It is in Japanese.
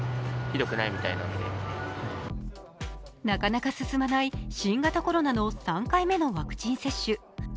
なかなか進まない新型コロナの３回目のワクチン接種。